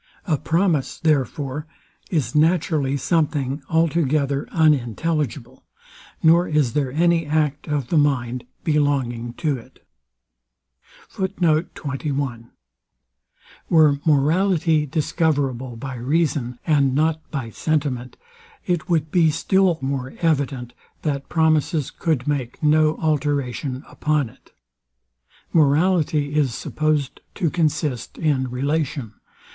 A promise, therefore, is naturally something altogether unintelligible, nor is there any act of the mind belonging to it. Were morality discoverable by reason, and not by sentiment, it would be still more evident, that promises cou'd make no alteration upon it. Morality is suppos'd to consist in relation.